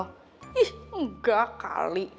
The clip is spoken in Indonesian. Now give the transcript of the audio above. ih enggak kali